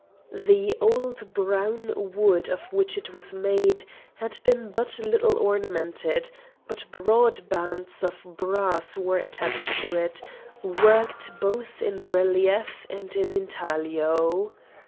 The old brown wood of which it was made had been but little ornamented, but broad bands of brass were attached to it, worked both in relief and in intaglio.